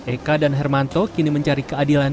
eka dan hermanto kini mencari keadilan